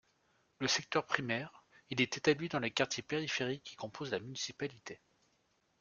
Le secteur primaire: il est établi dans les quartiers périphériques qui composent la municipalité.